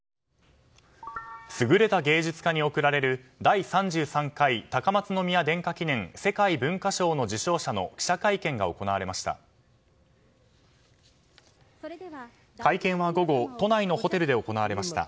優れた芸術家に贈られる第３３回高松宮殿下記念世界文化賞の受賞者の記者会見が行われました。